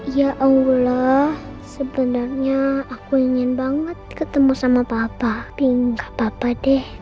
iya allah sebenarnya aku ingin banget ketemu sama papa tapi gak papa deh